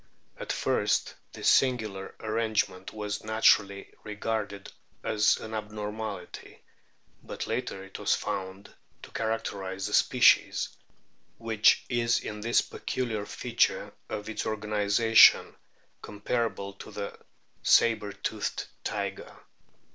At first this singular arrangement was naturally regarded as an abnormality, but later it was found to characterise the species, which is in this peculiar feature of its organisation comparable to the sabre toothed tiger.